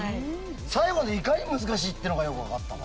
最後でいかに難しいってのがよく分かった。